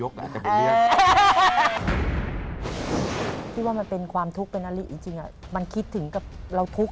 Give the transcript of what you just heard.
คิดว่ามันเป็นความทุกข์เป็นอลิจริงมันคิดถึงกับเราทุกข์